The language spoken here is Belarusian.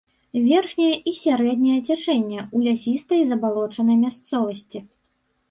Верхняе і сярэдняе цячэнне ў лясістай забалочанай мясцовасці.